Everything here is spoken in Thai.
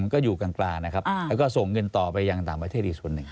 ก็อยู่กลางนะครับแล้วก็ส่งเงินต่อไปยังต่างประเทศอีกส่วนหนึ่ง